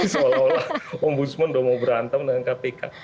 seolah olah ombudsman udah mau berantem dengan kpk